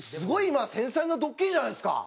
今繊細なドッキリじゃないですか。